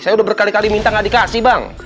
saya udah berkali kali minta gak dikasih bang